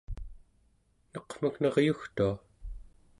neqmek neryugtua